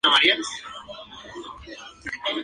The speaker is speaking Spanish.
Proyecto Arqueológico Volcán Orosi.